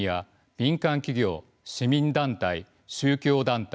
民間企業市民団体宗教団体